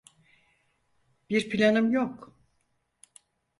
Bir planım yok.